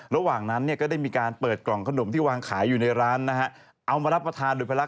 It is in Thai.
ระหว่างนั้นเนี่ยก็ได้มีการเปิดกล่องขนมที่วางขายอยู่ในร้านนะฮะเอามารับประทานโดยภาระ